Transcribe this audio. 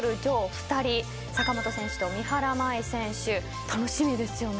２人坂本選手と三原舞依選手楽しみですよね。